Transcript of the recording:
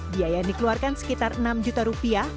biaya yang dikeluarkan sekitar enam juta rupiah